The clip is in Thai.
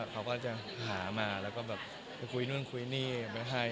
เขาก็จะหามาแล้วก็แบบไปคุยนู่นคุยนี่ไปให้